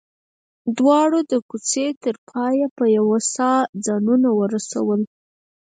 دواړو د کوڅې تر پايه په يوه ساه ځانونه ورسول.